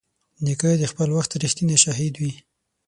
نیکه د خپل وخت رښتینی شاهد وي.